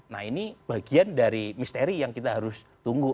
nah ini bagian dari misteri yang kita harus tunggu